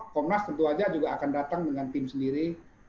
komnas tentu saja juga akan datang dengan tim sendiri